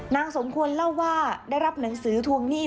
สมควรเล่าว่าได้รับหนังสือทวงหนี้